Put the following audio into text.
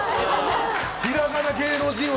ひらがな芸能人枠。